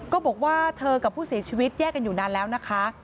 บอกว่าเธอกับผู้เสียชีวิตแยกกันอยู่นานแล้วนะคะ